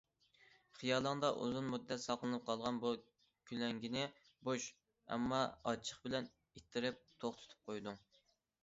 خىيالىڭدا ئۇزۇن مۇددەت ساقلىنىپ قالغان بۇ كۆلەڭگىنى بوش، ئەمما ئاچچىق بىلەن ئىتتىرىپ توختىتىپ قويدۇڭ.